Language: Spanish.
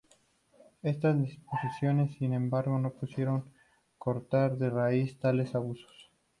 Estas disposiciones, sin embargo, no pudieron cortar de raíz tales abusos.